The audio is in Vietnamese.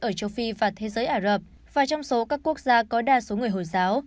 ở châu phi và thế giới ả rập và trong số các quốc gia có đa số người hồi giáo